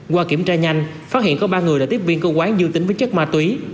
qua kiểm tra nhanh phát hiện có ba người là tiếp viên cơ quán dương tính với chất ma túy